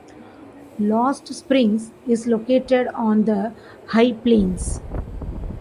Lost Springs is located on the High Plains.